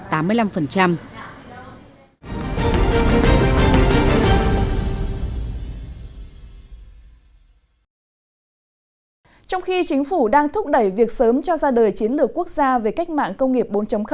trong khi chính phủ đang thúc đẩy việc sớm cho ra đời chiến lược quốc gia về cách mạng công nghiệp bốn